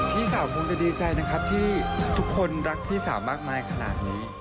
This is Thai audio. พี่สาวคงจะดีใจนะครับที่ทุกคนรักพี่สาวมากมายขนาดนี้